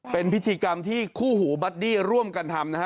เป็นพิธีกรรมที่คู่หูบัดดี้ร่วมกันทำนะฮะ